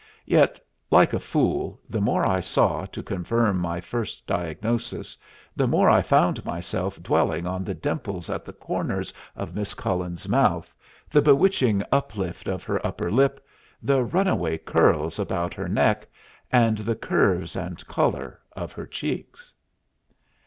Yet, like a fool, the more I saw to confirm my first diagnosis, the more I found myself dwelling on the dimples at the corners of Miss Cullen's mouth, the bewitching uplift of her upper lip, the runaway curls about her neck, and the curves and color of her cheeks.